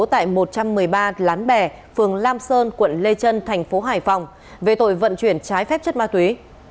tại một trăm một mươi ba lán bè phường lam sơn quận lê trân thành phố hải phòng về tội vận chuyển trái phép chất ma túy